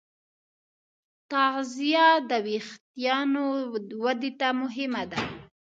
تغذیه د وېښتیانو ودې ته مهمه ده.